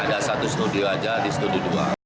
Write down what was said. ada satu studio aja di studio dua